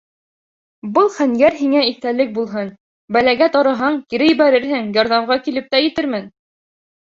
Был хәнйәр һиңә иҫтәлек булһын: бәләгә тарыһаң, кире ебәрерһең, ярҙамға килеп тә етермен.